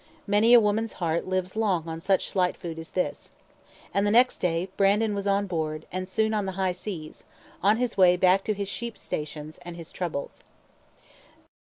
Many a woman's heart lives long on such slight food as this. And the next day, Brandon was on board, and soon on the high seas, on his way back to his sheep stations and his troubles.